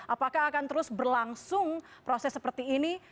apakah akan terus berlangsung proses seperti ini